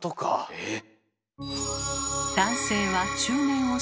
えっ。